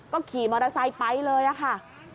ก็ขี่มอเตอร์ไซค์ไปเลยค่ะ